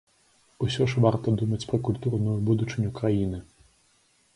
Усё ж варта думаць пра культурную будучыню краіны.